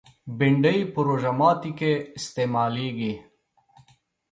بېنډۍ په روژه ماتي کې استعمالېږي